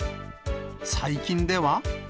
最近では。